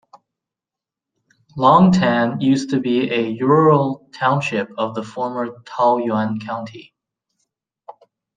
Longtan used to be a rural township of the former Taoyuan County.